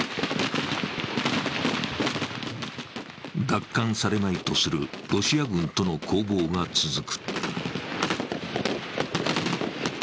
奪還されまいとするロシア軍との攻防が続く。